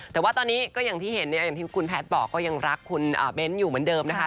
แต่ว่าตอนนี้ก็อย่างที่เห็นเนี่ยอย่างที่คุณแพทย์บอกก็ยังรักคุณเบ้นอยู่เหมือนเดิมนะคะ